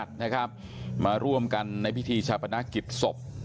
เย็ดนะครับมาร่วมกันในพิธีชาปนาคิดศพ